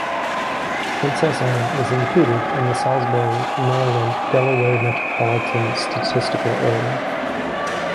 Princess Anne is included in the Salisbury, Maryland-Delaware Metropolitan Statistical Area.